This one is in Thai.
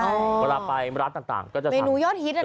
เวลาไปร้านต่างก็จะเมนูยอดฮิตอ่ะ